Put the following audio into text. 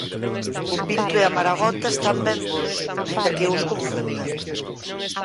O pinto e a maragota están ben bos, aínda que eu os confunda